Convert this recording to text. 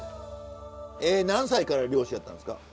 何歳から漁師やったんですか？